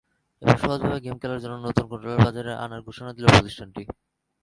এবার সহজভাবে গেম খেলার জন্য নতুন কন্ট্রোলার বাজারে আনার ঘোষণা দিল প্রতিষ্ঠানটি।